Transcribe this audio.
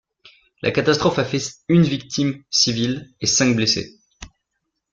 La catastrophe a fait une victime civile et cinq blessés.